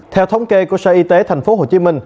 theo thống kê của sở y tế tp hcm